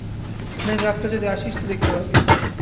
অনেক রাত্রে যদি আসিস তো দেখতে পাবি।